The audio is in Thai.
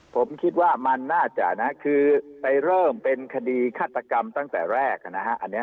ผมคิดว่ามันน่าจะนะคือไปเริ่มเป็นคดีฆาตกรรมตั้งแต่แรกนะฮะ